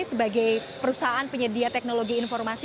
sebagai perusahaan penyedia teknologi informasi